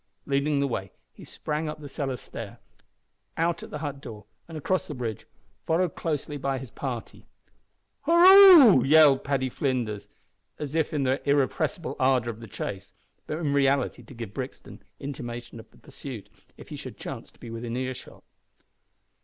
Leading the way, he sprang up the cellar stair, out at the hut door, and across the bridge, followed closely by his party. "Hooroo!" yelled Paddy Flinders, as if in the irrepressible ardour of the chase, but in reality to give Brixton intimation of the pursuit, if he should chance to be within earshot.